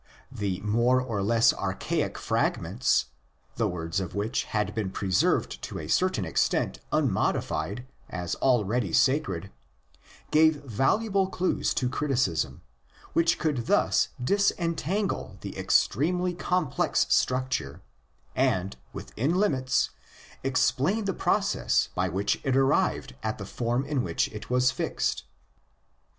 The more or less archaic fragments, the words of which had been preserved to a certain extent unmodified as already sacred, gave valuable clues to criticism, which could thus disentangle the extremely complex structure and, within limits, explain the process by which it arrived at the form in which 10 was fixed.